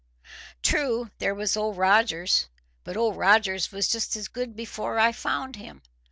True there was Old Rogers; but Old Rogers was just as good before I found him.